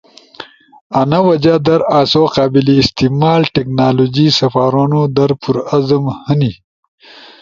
انا وجہ در آسو قابل استعمال ٹیکنالوجی سپارونو در پر عزم ہنی۔